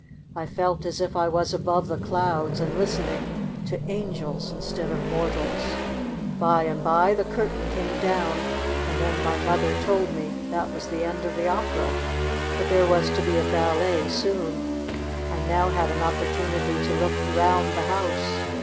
I felt as if I was above the clouds, and listening to angels instead of mortals. By and by the cur tain came down, and then my mother told me that w r as the end of the opera, but there was to be a ballet soon. I now had an opportunity to look round the house.